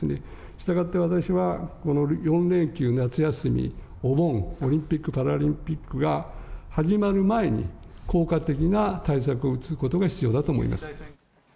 したがって私は、この４連休、夏休み、お盆、オリンピック・パラリンピックが始まる前に、効果的な対策を打つことが必要だと思います。